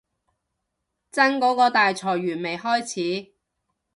真嗰個大裁員未開始